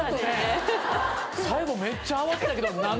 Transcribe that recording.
最後めっちゃ慌ててたけど。